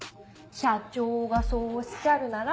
社長がそうおっしゃるなら。